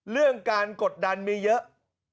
เรื่องการกดดันมีเยอะ